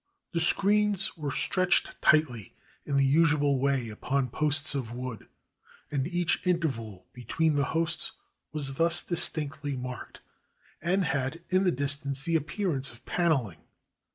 The screens were stretched tightly in the usual way upon posts of wood, and each interval between the hosts was thus distinctly marked, and had, in the distance, the appear ance of paneling.